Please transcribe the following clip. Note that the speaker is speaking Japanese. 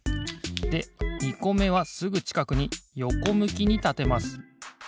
で２こめはすぐちかくによこむきにたてます。